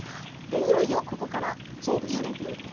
でいよいよここからゆでていく。